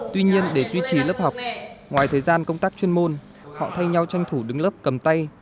tuy nhiên để duy trì lớp học ngoài thời gian công tác chuyên môn họ thay nhau tranh thủ đứng lớp cầm tay